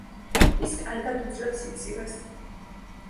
ის კარგად უძლებს სიცივეს.